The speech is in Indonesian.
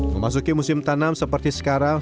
memasuki musim tanam seperti sekarang